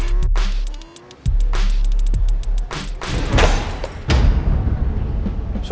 gak usah kaget gue aja